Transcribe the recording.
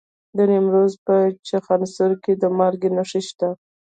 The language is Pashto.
د نیمروز په چخانسور کې د مالګې نښې شته.